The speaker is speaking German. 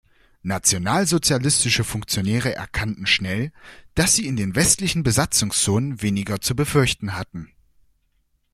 Nationalsozialistische Funktionäre erkannten schnell, dass sie in den westlichen Besatzungszonen weniger zu befürchten hatten.